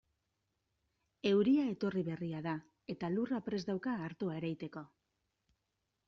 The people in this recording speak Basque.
Euria etorri berria da eta lurra prest dauka artoa ereiteko.